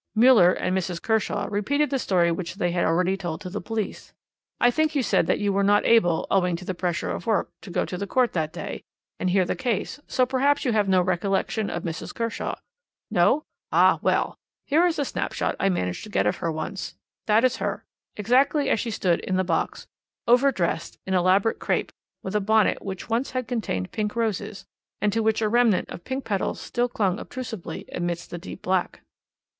"Müller and Mrs. Kershaw repeated the story which they had already told to the police. I think you said that you were not able, owing to pressure of work, to go to the court that day, and hear the case, so perhaps you have no recollection of Mrs. Kershaw. No? Ah, well! Here is a snapshot I managed to get of her once. That is her. Exactly as she stood in the box over dressed in elaborate crape, with a bonnet which once had contained pink roses, and to which a remnant of pink petals still clung obtrusively amidst the deep black.